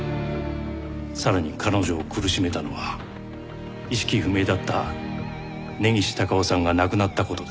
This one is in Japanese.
さらに彼女を苦しめたのは意識不明だった根岸隆雄さんが亡くなった事です。